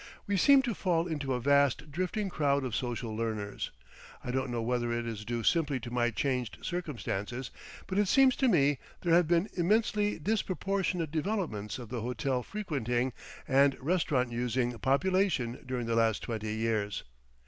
We seemed to fall into a vast drifting crowd of social learners. I don't know whether it is due simply to my changed circumstances, but it seems to me there have been immensely disproportionate developments of the hotel frequenting and restaurant using population during the last twenty years.